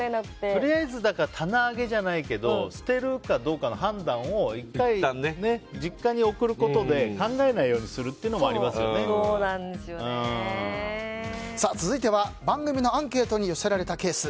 とりあえず棚上げじゃないけど捨てるかどうかの判断をいったん実家に送ることで考えないようにするというのも続いては番組のアンケートに寄せられたケース。